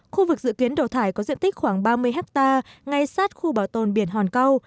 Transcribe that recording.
khu vực dự kiến đổ thải có diện tích khoảng ba mươi hectare ngay sát khu bảo tồn biển hòn câu